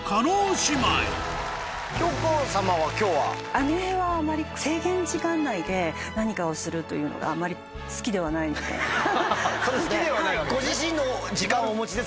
姉はあまり制限時間内で何かをするというのがあまり好きではないので。